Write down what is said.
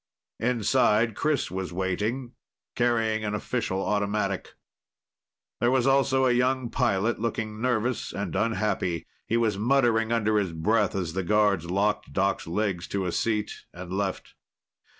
Inside, Chris was waiting, carrying an official automatic. There was also a young pilot, looking nervous and unhappy. He was muttering under his breath as the guards locked Doc's legs to a seat and left.